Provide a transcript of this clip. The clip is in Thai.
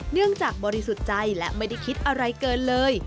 เนื่องจากบริสุทธิ์ใจและไม่ได้คิดอะไรเกินเลย